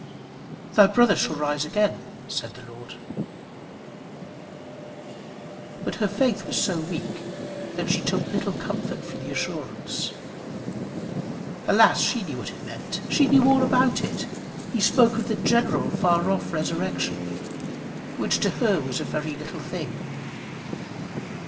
"Thy brother shall rise again," said the Lord. But her faith was so weak that she took little comfort from the assurance. Alas! she knew what it meant. She knew all about it. He spoke of the general far off resurrection, which to her was a very little thing.